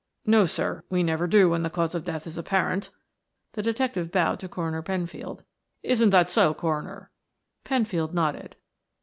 "No, sir, we never do when the cause of death is apparent," the detective bowed to Coroner Penfield. "Isn't that so, Coroner?" Penfield nodded.